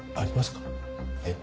えっ？